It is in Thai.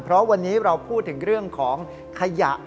เพราะวันนี้เราพูดถึงเรื่องของขยะ